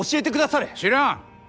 知らん。